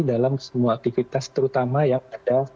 dalam semua aktivitas terutama yang ada